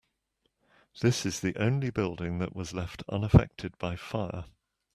This is the only building that was left unaffected by fire.